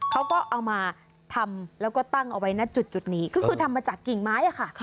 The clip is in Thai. เขาก็เอามาทำแล้วก็ตั้งเอาไว้ณจุดนี้ก็คือทำมาจากกิ่งไม้ค่ะ